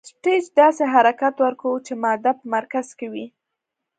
سټیج داسې حرکت ورکوو چې ماده په مرکز کې وي.